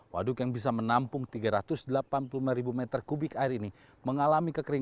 waduk yang bisa menampung tiga ratus delapan puluh lima ribu meter kubik air ini mengalami kekeringan